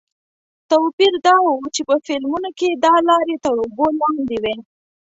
توپیر دا و چې په فلمونو کې دا لارې تر اوبو لاندې وې.